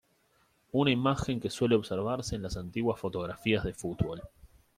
Una imagen que suele observarse en las antiguas fotografías de fútbol.